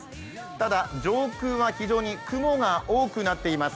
ただ上空は非常に雲が多くなっています。